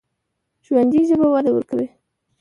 ژوندي ژبه وده ورکوي